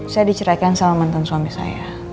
saya diceraikan sama mantan suami saya